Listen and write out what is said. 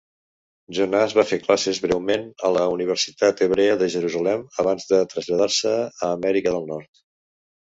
Jonas va fer classes breument a la Universitat Hebrea de Jerusalem abans de traslladar-se a Amèrica del Nord.